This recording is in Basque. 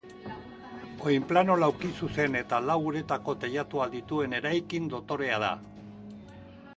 Oinplano laukizuzen eta lau uretako teilatua dituen eraikin dotorea da.